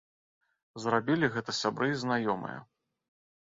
Зрабілі гэта сябры і знаёмыя.